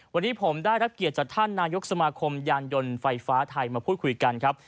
วันนี้ผมได้รับเกียรติจากท่านนายกสมาคมยานยนต์ไฟฟ้าไทยมาพูดคุยกันครับ